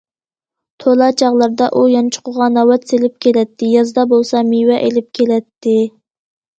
تولا چاغلاردا ئۇ يانچۇقىغا ناۋات سېلىپ كېلەتتى، يازدا بولسا مېۋە ئېلىپ كېلەتتى.